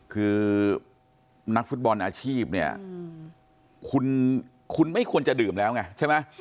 คือนักฟุตบอลอาชีพเนี่ยคุณไม่ควรจะดื่มแล้วไงใช่ไหม